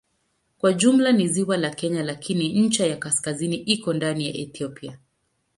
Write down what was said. Kwa jumla ni ziwa la Kenya lakini ncha ya kaskazini iko ndani ya Ethiopia.